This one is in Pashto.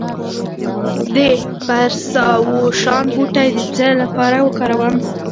د پرسیاوشان بوټی د څه لپاره وکاروم؟